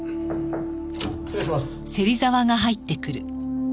失礼します。